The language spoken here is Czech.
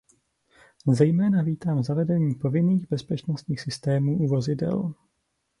Zejména vítám zavedení povinných bezpečnostních systémů u vozidel.